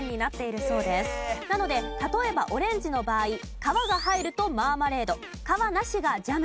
なので例えばオレンジの場合皮が入るとマーマレード皮なしがジャム。